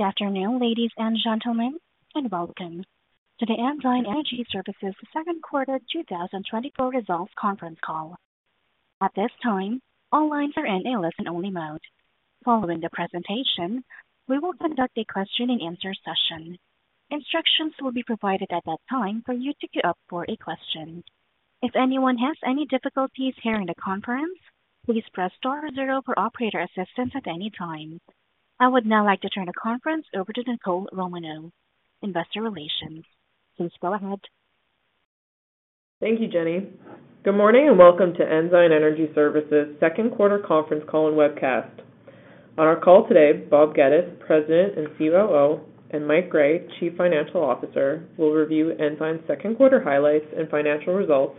Good afternoon, ladies and gentlemen, and welcome to the Energy Services Second Quarter 2024 Results Conference Call. At this time, all lines are in a listen-only mode. Following the presentation, we will conduct a question-and-answer session. Instructions will be provided at that time for you to get up for a question. If anyone has any difficulties hearing the conference, please press star 0 for operator assistance at any time. I would now like to turn the conference over to Nicole Romanow, Investor Relations. Please go ahead. Thank you, Jenny. Good morning and welcome to Ensign Energy Services Second Quarter Conference Call and Webcast. On our call today, Bob Geddes, President and COO, and Mike Gray, Chief Financial Officer, will review Ensign's second quarter highlights and financial results,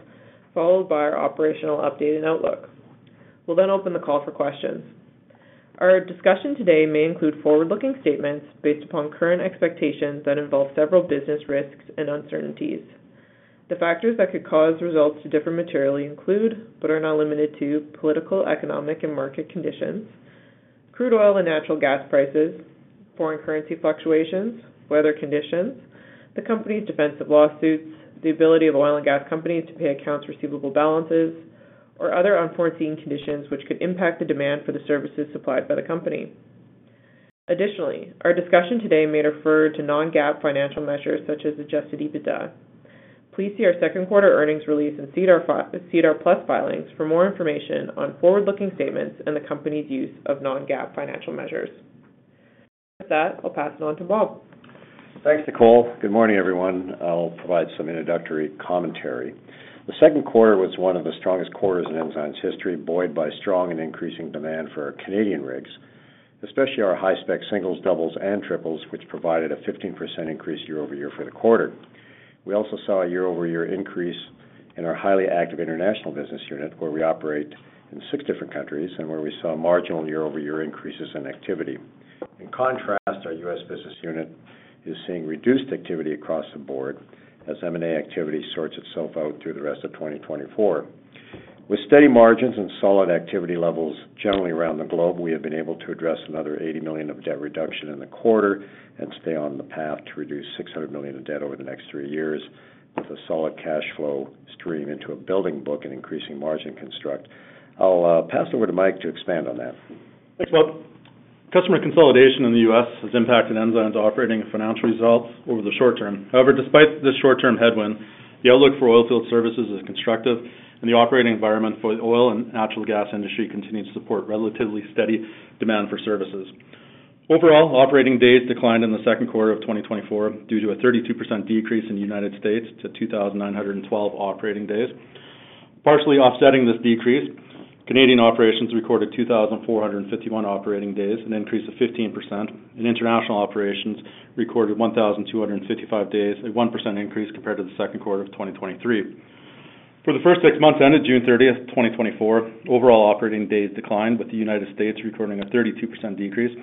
followed by our operational update and outlook. We'll then open the call for questions. Our discussion today may include forward-looking statements based upon current expectations that involve several business risks and uncertainties. The factors that could cause results to differ materially include, but are not limited to, political, economic, and market conditions, crude oil and natural gas prices, foreign currency fluctuations, weather conditions, the company's defense of lawsuits, the ability of oil and gas companies to pay accounts receivable balances, or other unforeseen conditions which could impact the demand for the services supplied by the company. Additionally, our discussion today may refer to non-GAAP financial measures such as Adjusted EBITDA. Please see our second quarter earnings release and SEDAR+ filings for more information on forward-looking statements and the company's use of non-GAAP financial measures. With that, I'll pass it on to Bob. Thanks, Nicole. Good morning, everyone. I'll provide some introductory commentary. The second quarter was one of the strongest quarters in Ensign's history, buoyed by strong and increasing demand for our Canadian rigs, especially our high-spec singles, doubles, and triples, which provided a 15% increase year-over-year for the quarter. We also saw a year-over-year increase in our highly active international business unit, where we operate in six different countries and where we saw marginal year-over-year increases in activity. In contrast, our U.S. business unit is seeing reduced activity across the board as M&A activity sorts itself out through the rest of 2024. With steady margins and solid activity levels generally around the globe, we have been able to address another 80 million of debt reduction in the quarter and stay on the path to reduce 600 million of debt over the next three years with a solid cash flow stream into a building book and increasing margin construct. I'll pass it over to Mike to expand on that. Thanks, Bob. Customer consolidation in the U.S. has impacted Ensign's operating and financial results over the short term. However, despite this short-term headwind, the outlook for oilfield services is constructive, and the operating environment for the oil and natural gas industry continues to support relatively steady demand for services. Overall, operating days declined in the second quarter of 2024 due to a 32% decrease in the United States to 2,912 operating days. Partially offsetting this decrease, Canadian operations recorded 2,451 operating days, an increase of 15%, and international operations recorded 1,255 days, a 1% increase compared to the second quarter of 2023. For the first six months ended June 30, 2024, overall operating days declined, with the United States recording a 32% decrease,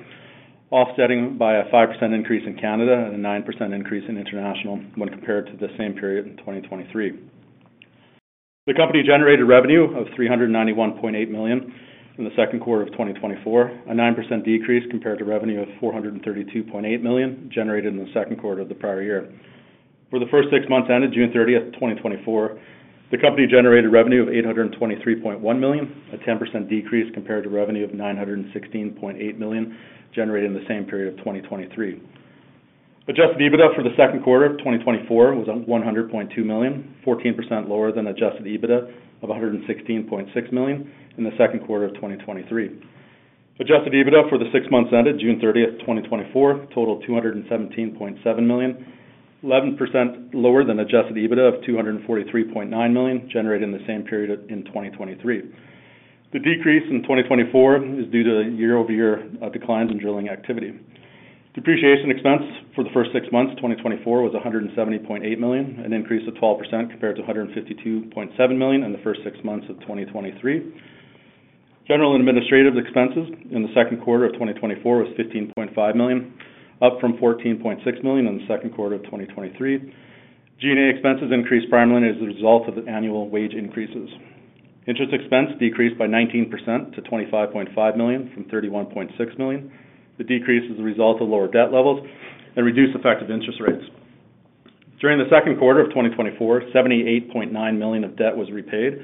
offsetting by a 5% increase in Canada and a 9% increase in international when compared to the same period in 2023. The company generated revenue of 391.8 million in the second quarter of 2024, a 9% decrease compared to revenue of 432.8 million generated in the second quarter of the prior year. For the first six months ended June 30, 2024, the company generated revenue of 823.1 million, a 10% decrease compared to revenue of 916.8 million generated in the same period of 2023. Adjusted EBITDA for the second quarter of 2024 was 100.2 million, 14% lower than adjusted EBITDA of 116.6 million in the second quarter of 2023. Adjusted EBITDA for the six months ended June 30, 2024, totaled 217.7 million, 11% lower than adjusted EBITDA of 243.9 million generated in the same period in 2023. The decrease in 2024 is due to year-over-year declines in drilling activity. Depreciation expense for the first six months 2024 was $170.8 million, an increase of 12% compared to $152.7 million in the first six months of 2023. General and administrative expenses in the second quarter of 2024 was $15.5 million, up from $14.6 million in the second quarter of 2023. G&A expenses increased primarily as a result of the annual wage increases. Interest expense decreased by 19% to $25.5 million from $31.6 million. The decrease is the result of lower debt levels and reduced effective interest rates. During the second quarter of 2024, $78.9 million of debt was repaid,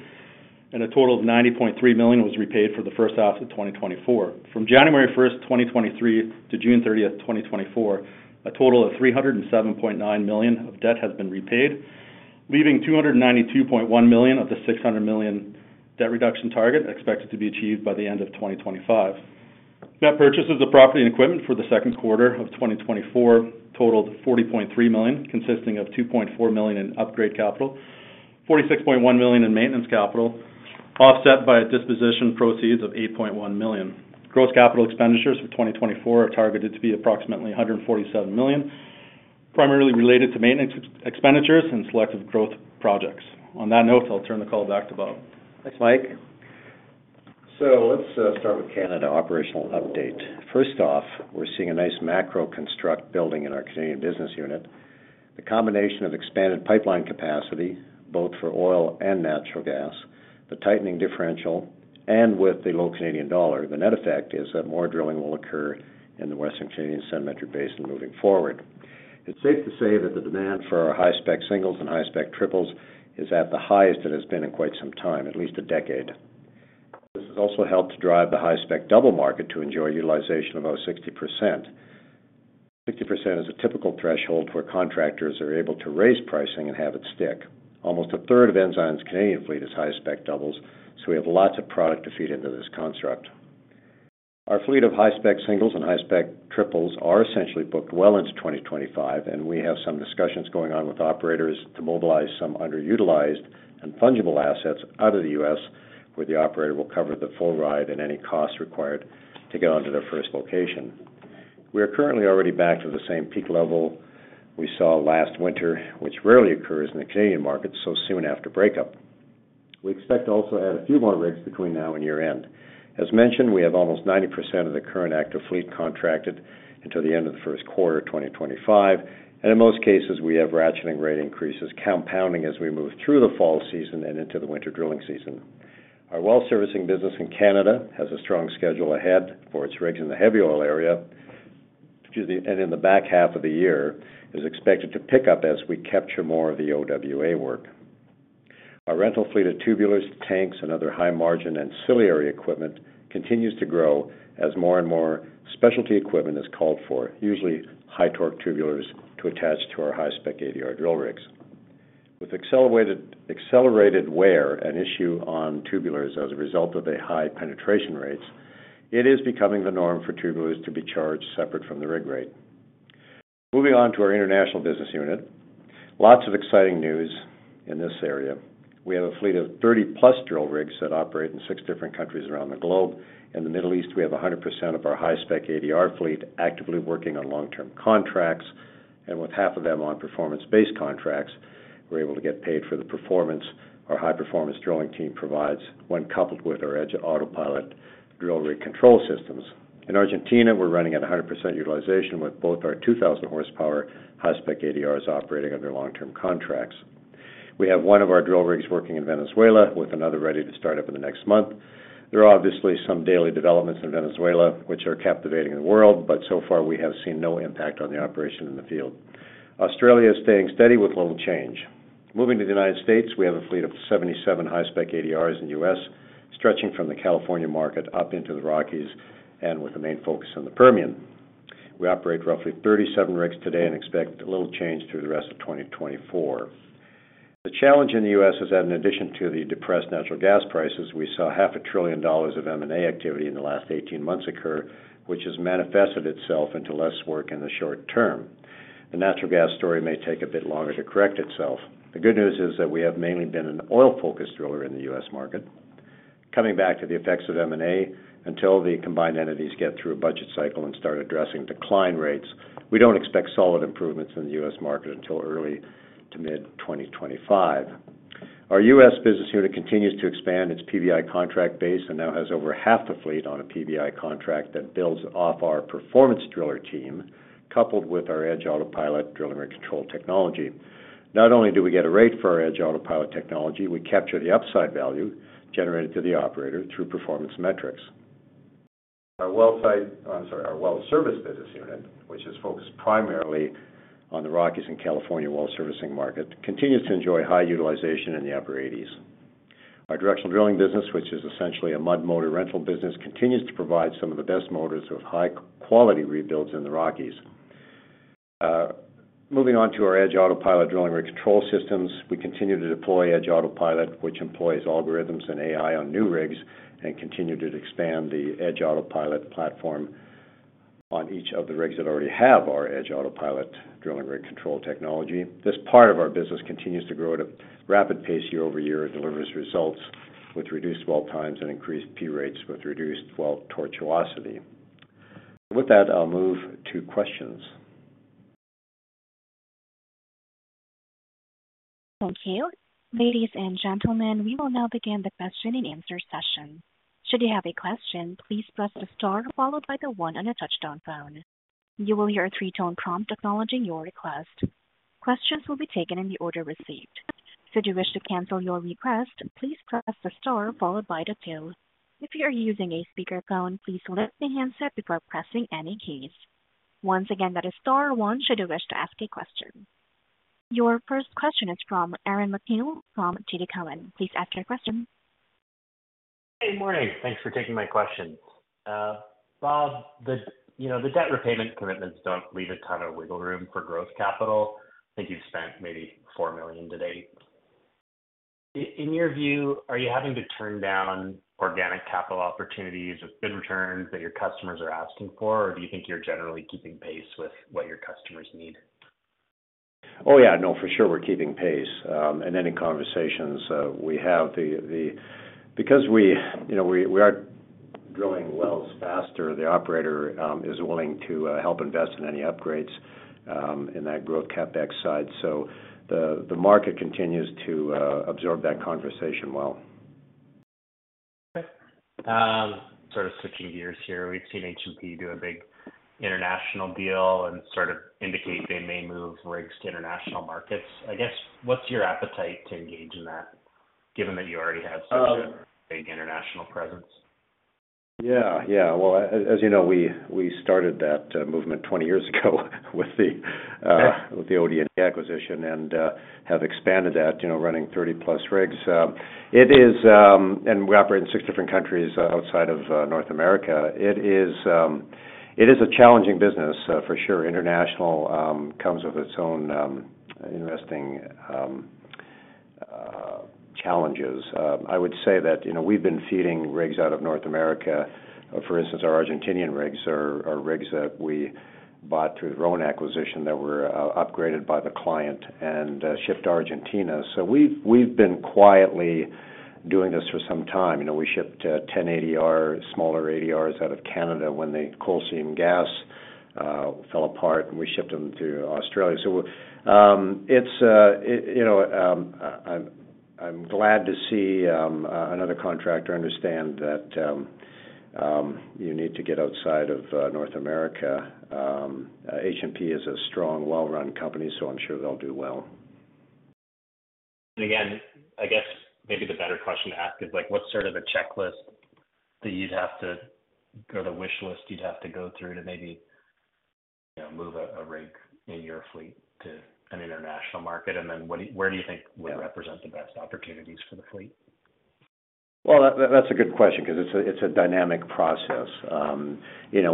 and a total of $90.3 million was repaid for the first half of 2024. From January 1, 2023, to June 30, 2024, a total of $307.9 million of debt has been repaid, leaving $292.1 million of the $600 million debt reduction target expected to be achieved by the end of 2025. Net purchases of property and equipment for the second quarter of 2024 totaled 40.3 million, consisting of 2.4 million in upgrade capital, 46.1 million in maintenance capital, offset by a disposition proceeds of 8.1 million. Gross capital expenditures for 2024 are targeted to be approximately 147 million, primarily related to maintenance expenditures and selective growth projects. On that note, I'll turn the call back to Bob. Thanks, Mike.So let's start with Canada operational update. First off, we're seeing a nice macro construct building in our Canadian business unit. The combination of expanded pipeline capacity, both for oil and natural gas, the tightening differential, and with the low Canadian dollar, the net effect is that more drilling will occur in the Western Canadian Sedimentary Basin moving forward. It's safe to say that the demand for our high-spec singles and high-spec triples is at the highest it has been in quite some time, at least a decade. This has also helped to drive the high-spec double market to enjoy utilization of about 60%. 60% is a typical threshold where contractors are able to raise pricing and have it stick. Almost a third of Ensign's Canadian fleet is high-spec doubles, so we have lots of product to feed into this construct. Our fleet of high-spec singles and high-spec triples are essentially booked well into 2025, and we have some discussions going on with operators to mobilize some underutilized and fungible assets out of the U.S., where the operator will cover the full ride and any costs required to get onto their first location. We are currently already back to the same peak level we saw last winter, which rarely occurs in the Canadian market so soon after breakup. We expect to also add a few more rigs between now and year-end. As mentioned, we have almost 90% of the current active fleet contracted until the end of the first quarter of 2025, and in most cases, we have ratcheting rate increases compounding as we move through the fall season and into the winter drilling season. Our well-servicing business in Canada has a strong schedule ahead for its rigs in the heavy oil area and in the back half of the year, and is expected to pick up as we capture more of the OWA work. Our rental fleet of tubulars, tanks, and other high-margin ancillary equipment continues to grow as more and more specialty equipment is called for, usually high-torque tubulars to attach to our high-spec ADR drill rigs. With accelerated wear, an issue on tubulars as a result of their high penetration rates, it is becoming the norm for tubulars to be charged separate from the rig rate. Moving on to our international business unit, lots of exciting news in this area. We have a fleet of 30+ drill rigs that operate in six different countries around the globe. In the Middle East, we have 100% of our high-spec ADR fleet actively working on long-term contracts, and with half of them on performance-based contracts, we're able to get paid for the performance our high-performance drilling team provides when coupled with our EDGE Autopilot drill rig control systems. In Argentina, we're running at 100% utilization with both our 2,000-horsepower high-spec ADRs operating under long-term contracts. We have one of our drill rigs working in Venezuela with another ready to start up in the next month. There are obviously some daily developments in Venezuela, which are captivating the world, but so far we have seen no impact on the operation in the field. Australia is staying steady with little change. Moving to the United States, we have a fleet of 77 high-spec ADRs in the U.S., stretching from the California market up into the Rockies and with a main focus on the Permian. We operate roughly 37 rigs today and expect little change through the rest of 2024. The challenge in the U.S. is that in addition to the depressed natural gas prices, we saw $500 billion of M&A activity in the last 18 months occur, which has manifested itself into less work in the short term. The natural gas story may take a bit longer to correct itself. The good news is that we have mainly been an oil-focused driller in the U.S. market. Coming back to the effects of M&A, until the combined entities get through a budget cycle and start addressing decline rates, we don't expect solid improvements in the U.S. market until early to mid-2025. Our U.S. business unit continues to expand its PBI contract base and now has over half the fleet on a PBC contract that builds off our performance driller team, coupled with our EDGE Autopilot drilling rig control technology. Not only do we get a rate for our EDGE Autopilot technology, we capture the upside value generated to the operator through performance metrics. Our well servicing business unit, which is focused primarily on the Rockies and California well-servicing market, continues to enjoy high utilization in the upper 80s. Our directional drilling business, which is essentially a mud motor rental business, continues to provide some of the best motors with high-quality rebuilds in the Rockies. Moving on to our EDGE Autopilot drilling rig control systems, we continue to deploy EDGE Autopilot, which employs algorithms and AI on new rigs and continues to expand the EDGE Autopilot platform on each of the rigs that already have our EDGE Autopilot drilling rig control technology. This part of our business continues to grow at a rapid pace year-over-year and delivers results with reduced well times and increased Penetration rates with reduced well tortuosity. With that, I'll move to questions. Thank you. Ladies and gentlemen, we will now begin the question and answer session. Should you have a question, please press the star followed by the one on the touch-tone phone. You will hear a three-tone prompt acknowledging your request. Questions will be taken in the order received. Should you wish to cancel your request, please press the star followed by the two. If you are using a speakerphone, please lift the handset before pressing any keys. Once again, that is star one should you wish to ask a question. Your first question is from Aaron MacNeil from TD Cowen. Please ask your question. Hey, good morning. Thanks for taking my question. Bob, the debt repayment commitments don't leave a ton of wiggle room for growth capital. I think you've spent maybe $4 million today. In your view, are you having to turn down organic capital opportunities with good returns that your customers are asking for, or do you think you're generally keeping pace with what your customers need? Oh, yeah, no, for sure we're keeping pace. And any conversations we have the because we are drilling wells faster, the operator is willing to help invest in any upgrades in that growth CapEx side. So the market continues to absorb that conversation well. Sort of switching gears here, we've seen H&P do a big international deal and sort of indicate they may move rigs to international markets. I guess, what's your appetite to engage in that, given that you already have such a big international presence? Yeah, yeah. Well, as you know, we started that movement 20 years ago with the OD&E acquisition and have expanded that, running 30+ rigs. And we operate in six different countries outside of North America. It is a challenging business, for sure. International comes with its own interesting challenges. I would say that we've been feeding rigs out of North America. For instance, our Argentinian rigs are rigs that we bought through the Rowan acquisition that were upgraded by the client and shipped to Argentina. So we've been quietly doing this for some time. We shipped 10 ADR, smaller ADRs out of Canada when the coal seam gas fell apart, and we shipped them to Australia. So I'm glad to see another contractor understand that you need to get outside of North America. H&P is a strong, well-run company, so I'm sure they'll do well. And again, I guess maybe the better question to ask is, what's sort of the checklist that you'd have to or the wish list you'd have to go through to maybe move a rig in your fleet to an international market? And then where do you think would represent the best opportunities for the fleet? Well, that's a good question because it's a dynamic process.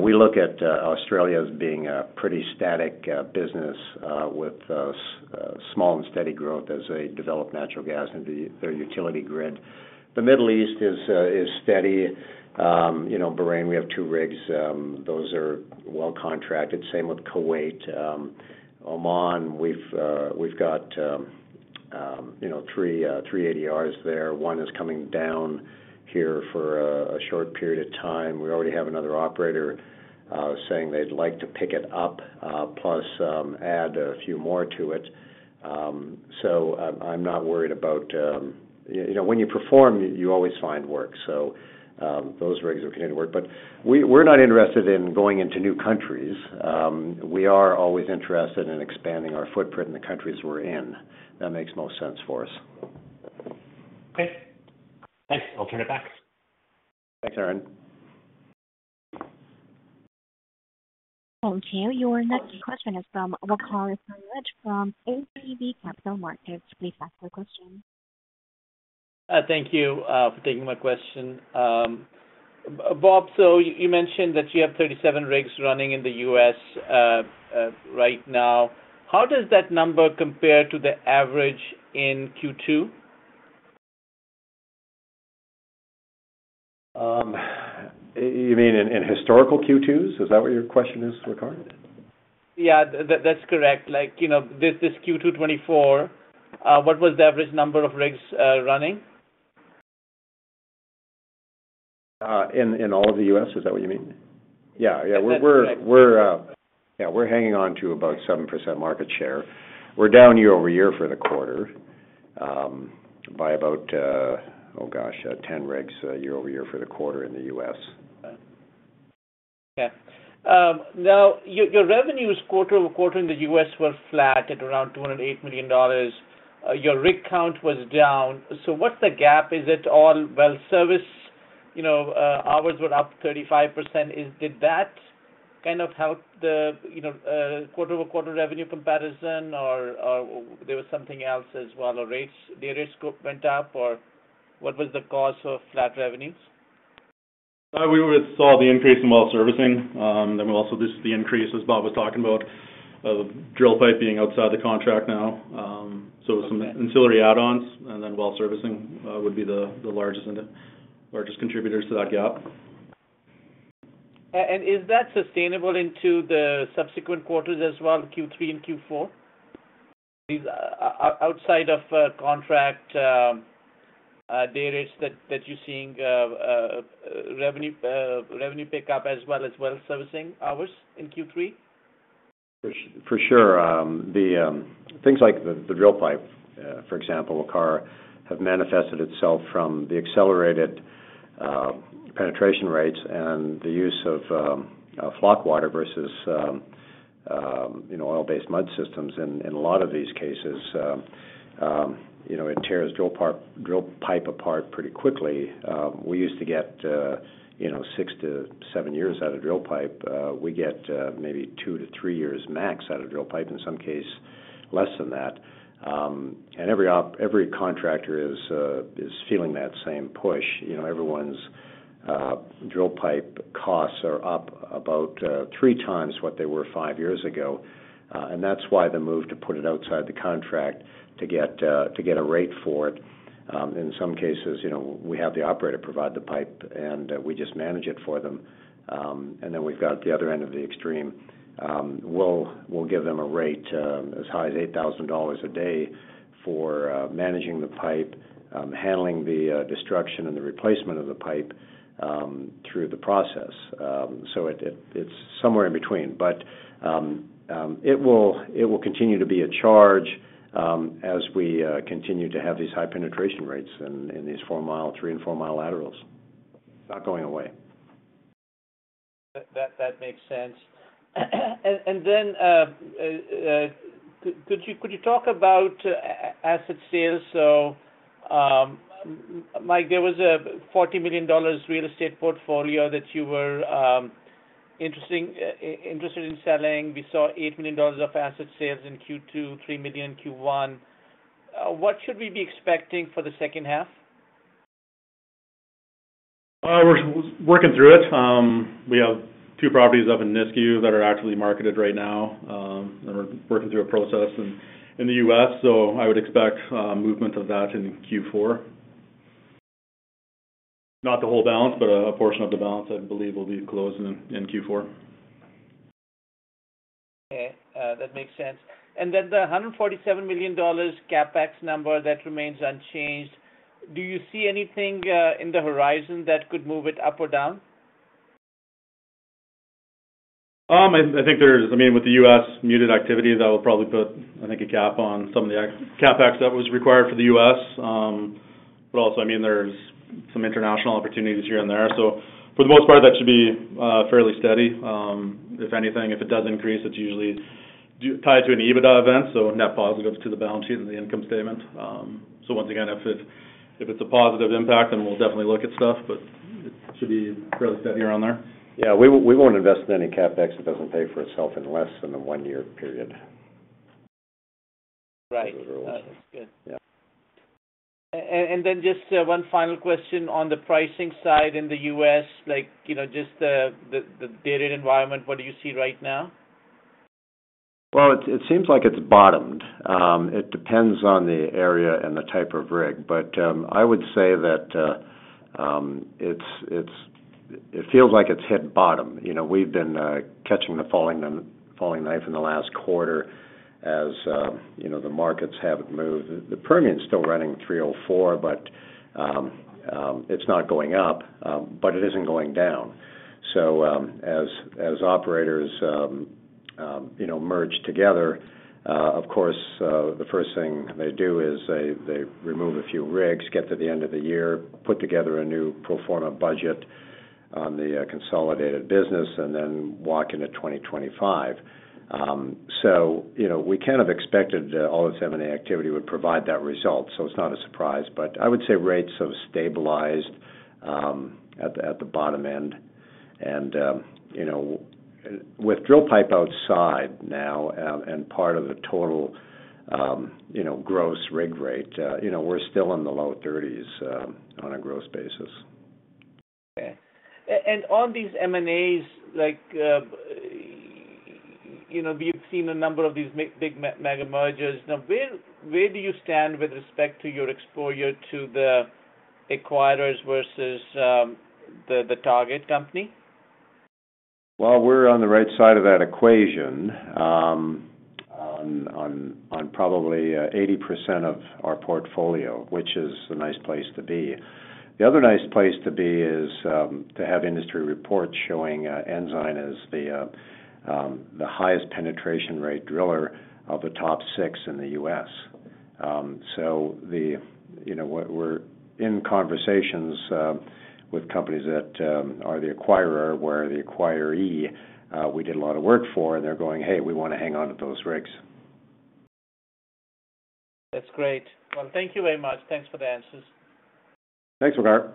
We look at Australia as being a pretty static business with small and steady growth as they develop natural gas into their utility grid. The Middle East is steady. Bahrain, we have two rigs. Those are well contracted. Same with Kuwait. Oman, we've got three ADRs there. One is coming down here for a short period of time. We already have another operator saying they'd like to pick it up, plus add a few more to it. So I'm not worried about when you perform, you always find work. So those rigs are continuing to work. But we're not interested in going into new countries. We are always interested in expanding our footprint in the countries we're in. That makes most sense for us. Okay. Thanks. I'll turn it back. Thanks, Aaron. Thank you. Your next question is from Waqar Syed from ATB Capital Markets. Please ask your question. Thank you for taking my question. Bob, so you mentioned that you have 37 rigs running in the U.S. right now. How does that number compare to the average in Q2? You mean in historical Q2s? Is that what your question is regarding? Yeah, that's correct. This Q2 2024, what was the average number of rigs running? In all of the U.S., is that what you mean? Yeah, yeah. We're hanging on to about 7% market share. We're down year-over-year for the quarter by about, oh gosh, 10 rigs year-over-year for the quarter in the U.S. Okay. Now, your revenues quarter-over-quarter in the U.S. were flat at around $208 million. Your rig count was down. So what's the gap? Is it all well service? Hours were up 35%. Did that kind of help the quarter-over-quarter revenue comparison, or there was something else as well? Their rates went up, or what was the cause of flat revenues? We saw the increase in well servicing. Then we also just the increase, as Bob was talking about, of drill pipe being outside the contract now. So it was some ancillary add-ons, and then well servicing would be the largest contributors to that gap. Is that sustainable into the subsequent quarters as well, Q3 and Q4? Outside of contract, there is that you're seeing revenue pickup as well as well servicing hours in Q3? For sure. Things like the drill pipe, for example, have manifested itself from the accelerated penetration rates and the use of floc water versus oil-based mud systems. In a lot of these cases, it tears drill pipe apart pretty quickly. We used to get 6-7 years out of drill pipe. We get maybe 2-3 years max out of drill pipe, in some cases less than that. And every contractor is feeling that same push. Everyone's drill pipe costs are up about 3 times what they were 5 years ago. And that's why the move to put it outside the contract to get a rate for it. In some cases, we have the operator provide the pipe, and we just manage it for them. And then we've got the other end of the extreme. We'll give them a rate as high as $8,000 a day for managing the pipe, handling the destruction, and the replacement of the pipe through the process. So it's somewhere in between. But it will continue to be a charge as we continue to have these high penetration rates in these 4-mile, 3-and-4-mile laterals. It's not going away. That makes sense. And then could you talk about asset sales? So Mike, there was a $40 million real estate portfolio that you were interested in selling. We saw $8 million of asset sales in Q2, $3 million in Q1. What should we be expecting for the second half? We're working through it. We have two properties up in Nisku that are actively marketed right now. We're working through a process in the U.S., so I would expect movement of that in Q4. Not the whole balance, but a portion of the balance I believe will be closed in Q4. Okay. That makes sense. And then the 147 million dollars CapEx number that remains unchanged, do you see anything on the horizon that could move it up or down? I think there's, I mean, with the U.S. muted activity, that will probably put, I think, a cap on some of the CapEx that was required for the U.S. But also, I mean, there's some international opportunities here and there. So for the most part, that should be fairly steady. If anything, if it does increase, it's usually tied to an EBITDA event, so net positives to the balance sheet and the income statement. So once again, if it's a positive impact, then we'll definitely look at stuff, but it should be fairly steady around there. Yeah. We won't invest in any CapEx that doesn't pay for itself in less than a one-year period. Right. That's good. And then just one final question on the pricing side in the U.S., just the data environment, what do you see right now? Well, it seems like it's bottomed. It depends on the area and the type of rig. But I would say that it feels like it's hit bottom. We've been catching the falling knife in the last quarter as the markets have moved. The Permian is still running 304, but it's not going up, but it isn't going down. So as operators merge together, of course, the first thing they do is they remove a few rigs, get to the end of the year, put together a new pro forma budget on the consolidated business, and then walk into 2025. So we kind of expected all of a sudden the activity would provide that result, so it's not a surprise. But I would say rates have stabilized at the bottom end. With drill pipe outside now and part of the total gross rig rate, we're still in the low 30s on a gross basis. Okay. And on these M&As, you've seen a number of these big mega mergers. Where do you stand with respect to your exposure to the acquirers versus the target company? Well, we're on the right side of that equation on probably 80% of our portfolio, which is a nice place to be. The other nice place to be is to have industry reports showing Ensign is the highest penetration rate driller of the top six in the U.S. So we're in conversations with companies that are the acquirer where the acquiree we did a lot of work for, and they're going, "Hey, we want to hang on to those rigs. That's great. Well, thank you very much. Thanks for the answers. Thanks, Waqar.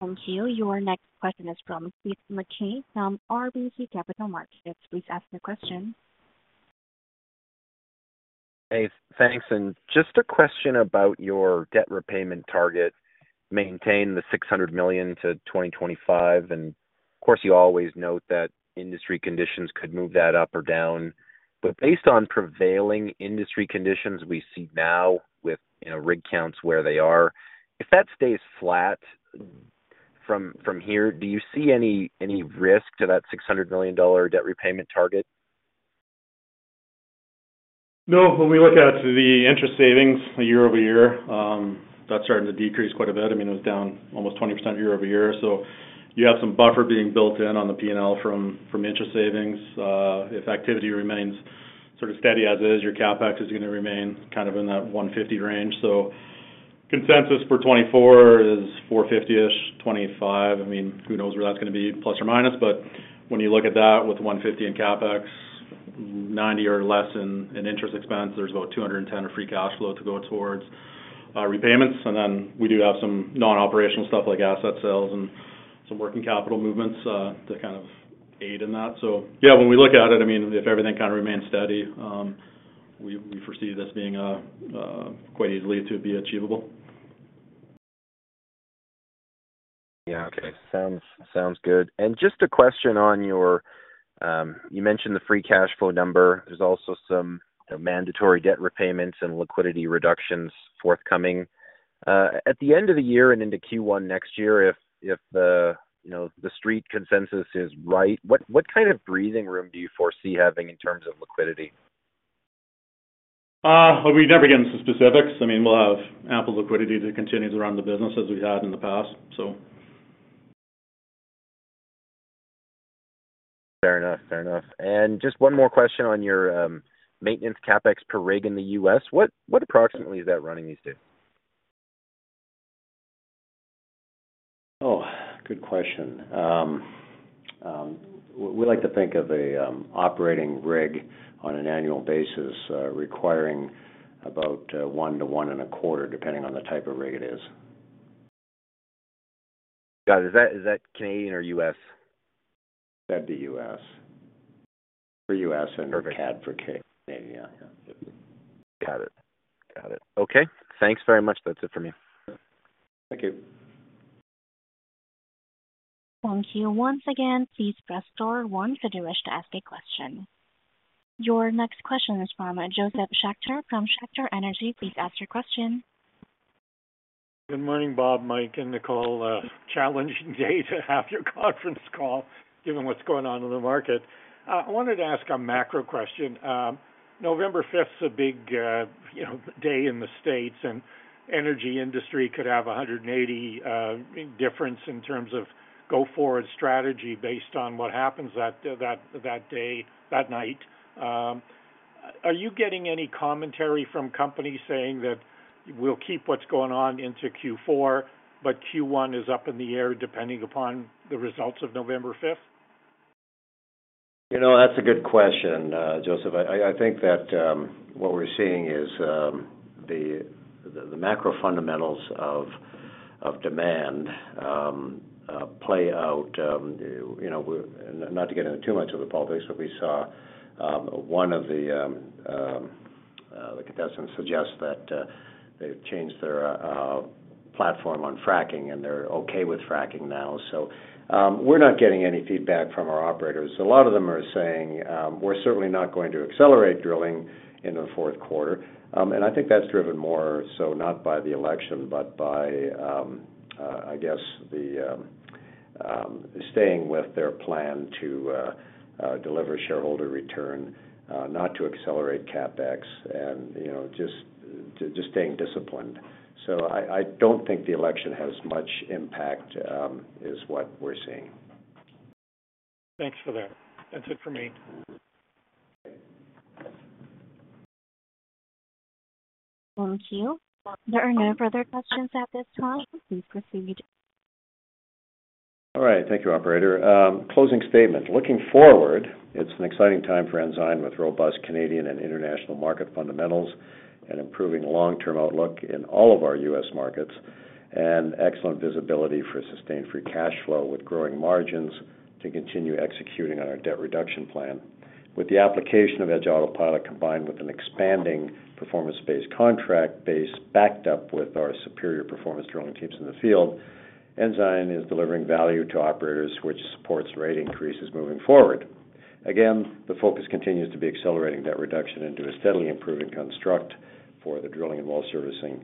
Thank you. Your next question is from Keith Mackey from RBC Capital Markets. Please ask your question. Hey, thanks. Just a question about your debt repayment target. Maintain the 600 million to 2025. And of course, you always note that industry conditions could move that up or down. But based on prevailing industry conditions we see now with rig counts where they are, if that stays flat from here, do you see any risk to that 600 million dollar debt repayment target? No. When we look at the interest savings year-over-year, that's starting to decrease quite a bit. I mean, it was down almost 20% year-over-year. So you have some buffer being built in on the P&L from interest savings. If activity remains sort of steady as is, your CapEx is going to remain kind of in that 150 range. So consensus for 2024 is 450-ish, 2025. I mean, who knows where that's going to be, ±. But when you look at that with 150 in CapEx, 90 or less in interest expense, there's about 210 of free cash flow to go towards repayments. And then we do have some non-operational stuff like asset sales and some working capital movements to kind of aid in that. So yeah, when we look at it, I mean, if everything kind of remains steady, we foresee this being quite easily to be achievable. Yeah. Okay. Sounds good. And just a question on your—you mentioned the free cash flow number. There's also some mandatory debt repayments and liquidity reductions forthcoming. At the end of the year and into Q1 next year, if the street consensus is right, what kind of breathing room do you foresee having in terms of liquidity? We never get into specifics. I mean, we'll have ample liquidity to continue to run the business as we've had in the past, so. Fair enough. Fair enough. And just one more question on your maintenance CapEx per rig in the U.S. What approximately is that running these days? Oh, good question. We like to think of an operating rig on an annual basis requiring about $1-$1.25, depending on the type of rig it is. Got it. Is that Canadian or U.S.? That'd be U.S. For U.S. and CAD for Canadian. Yeah. Got it. Got it. Okay. Thanks very much. That's it for me. Thank you. Thank you. Once again, please press star one if you wish to ask a question. Your next question is from Josef Schachter from Schachter Energy. Please ask your question. Good morning, Bob, Mike, and Nicole. Challenging day to have your conference call given what's going on in the market. I wanted to ask a macro question. November 5th is a big day in the States, and the energy industry could have a 180 difference in terms of go-forward strategy based on what happens that day, that night. Are you getting any commentary from companies saying that we'll keep what's going on into Q4, but Q1 is up in the air depending upon the results of November 5th? That's a good question, Josef. I think that what we're seeing is the macro fundamentals of demand play out. Not to get into too much of the politics, but we saw one of the contestants suggest that they've changed their platform on fracking, and they're okay with fracking now. So we're not getting any feedback from our operators. A lot of them are saying, "We're certainly not going to accelerate drilling in the fourth quarter." And I think that's driven more so not by the election, but by, I guess, the staying with their plan to deliver shareholder return, not to accelerate CapEx, and just staying disciplined. So I don't think the election has much impact is what we're seeing. Thanks for that. That's it for me. Thank you. There are no further questions at this time. Please proceed. All right. Thank you, operator. Closing statement. Looking forward, it's an exciting time for Ensign with robust Canadian and international market fundamentals and improving long-term outlook in all of our U.S. markets and excellent visibility for sustained free cash flow with growing margins to continue executing on our debt reduction plan. With the application of EDGE Autopilot combined with an expanding performance-based contract base backed up with our superior performance drilling teams in the field, Ensign is delivering value to operators, which supports rate increases moving forward. Again, the focus continues to be accelerating debt reduction into a steadily improving construct for the drilling and well-servicing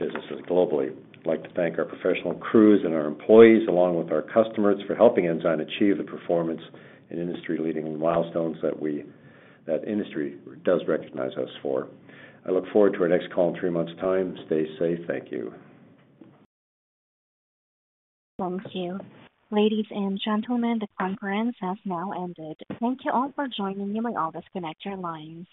businesses globally. I'd like to thank our professional crews and our employees along with our customers for helping Ensign achieve the performance and industry-leading milestones that industry does recognize us for. I look forward to our next call in three months' time. Stay safe. Thank you. Thank you. Ladies and gentlemen, the conference has now ended. Thank you all for joining me while I'll disconnect your lines.